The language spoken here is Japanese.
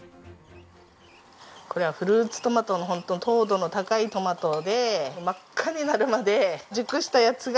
これはフルーツトマトのホント糖度の高いトマトで真っ赤になるまで熟したやつがいいです。